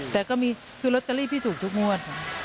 แต่ก็มีคือลอตเตอรี่พี่ถูกทุกงวด